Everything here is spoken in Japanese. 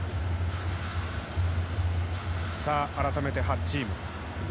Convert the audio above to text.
改めて８チーム。